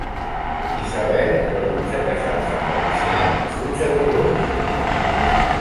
Isabel rebutja casar-se amb l’ancià i fuig a Borgonya.